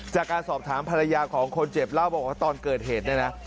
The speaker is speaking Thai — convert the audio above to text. จากการสอบถามภรรยาของคนเจ็บเล่าบอกว่าตอนเกิดเหตุเนี่ยนะ